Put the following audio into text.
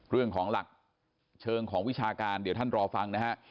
เรื่องของหลักเชิงของวิชาการเดี๋ยวท่านรอฟังนะฮะ